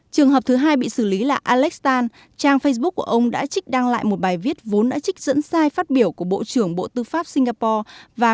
trường hợp thứ hai bị xử lý là alexan trang facebook của ông đã trích đăng lại một bài viết vốn đã trích dẫn sai phát biểu của bộ trưởng bộ tư pháp singapore